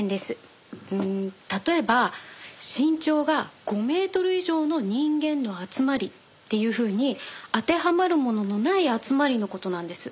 うん例えば身長が５メートル以上の人間の集まりっていうふうに当てはまるもののない集まりの事なんです。